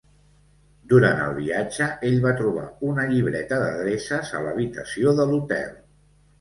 Durant el viatge ell va trobar una llibreta d'adreces a l'habitació de l'hotel.